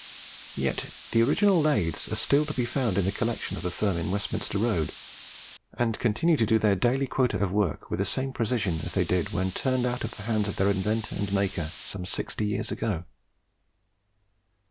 Yet the original lathes are still to be found in the collection of the firm in Westminster Road, and continue to do their daily quota of work with the same precision as they did when turned out of the hands of their inventor and maker some sixty years ago.